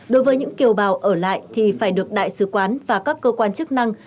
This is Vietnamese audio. đối với những kiều bào ở lại thì phải được đại sứ quán và các cơ quan chức năng